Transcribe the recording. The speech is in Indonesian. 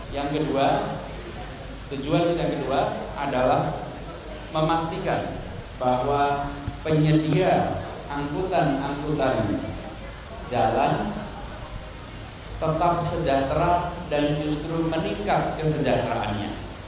yang kedua tujuan kita kedua adalah memastikan bahwa penyedia angkutan angkutan jalan tetap sejahtera dan justru meningkat kesejahteraannya